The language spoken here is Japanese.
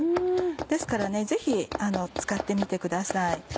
ですからぜひ使ってみてください。